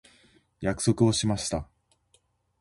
約束をしました。